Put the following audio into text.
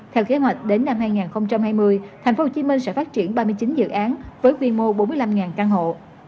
theo kế hoạch đến năm hai nghìn hai mươi tp hcm sẽ phát triển ba mươi chín dự án với quy mô bốn mươi năm căn hộ